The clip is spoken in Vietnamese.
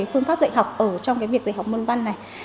phương pháp dạy học trong việc dạy học môn văn